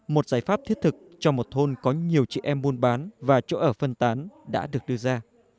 một giải pháp thiết thực cho một thôn có nhiều chị em buôn bán và chỗ ở phân tán đã được đưa ra